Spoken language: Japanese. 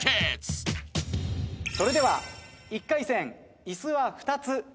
それでは１回戦椅子は２つ。